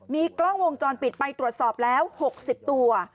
มีกล้องวงจรปิดไปตรวจสอบแล้ว๖๐ตัว